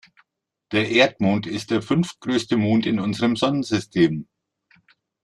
Der Erdmond ist der fünftgrößte Mond in unserem Sonnensystem.